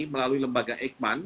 melalui lembaga eijkman